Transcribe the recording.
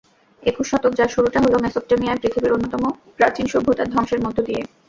একুশ শতক—যার শুরুটা হলো মেসোপটেমিয়ায় পৃথিবীর অন্যতম প্রাচীন সভ্যতার ধ্বংসের মধ্য দিয়ে।